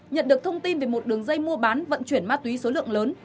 nhận được thông tin về một đường dây mua bán vận chuyển ma túy số lượng lớn